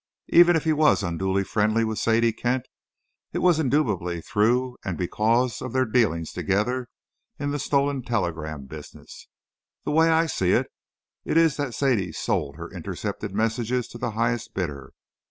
Even if he was unduly friendly with Sadie Kent, it was indubitably through and because of their dealings together in the stolen telegram business. The way I see it is that Sadie sold her intercepted messages to the highest bidder.